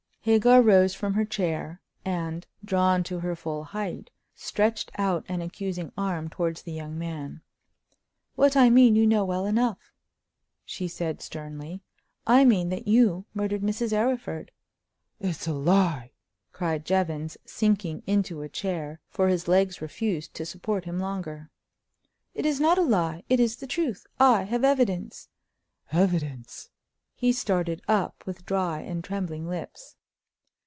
Hagar rose from her chair, and, drawn to her full height, stretched out an accusing arm towards the young man. "What I mean you know well enough!" she said, sternly. "I mean that you murdered Mrs. Arryford!" "It's a lie!" cried Jevons, sinking into a chair, for his legs refused to support him longer. "It is not a lie—it is the truth! I have evidence!" "Evidence!" He started up with dry and trembling lips.